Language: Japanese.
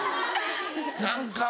何か。